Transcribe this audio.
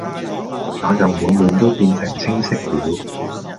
那就滿臉都變成青色了。